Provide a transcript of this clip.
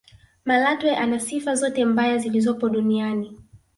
malatwe ana sifa zote mbaya zilizopo duniania